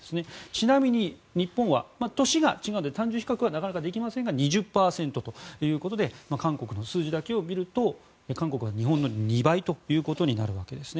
ちなみに日本は年が違うので単純比較はなかなかできませんが２０％ということで韓国の数字だけを見ると韓国は日本の２倍ということになるわけです。